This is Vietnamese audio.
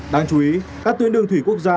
đáng chú ý các tuyến đường thủy quốc gia